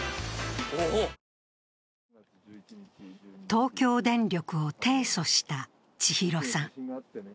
東京電力を提訴した千尋さん。